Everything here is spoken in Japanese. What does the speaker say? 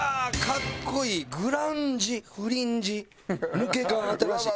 「カッコいい」「グランジ」「フリンジ」「抜け感」「新しい」。